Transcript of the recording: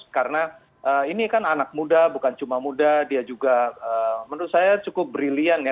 karena ini kan anak muda bukan cuma muda dia juga menurut saya cukup brilian ya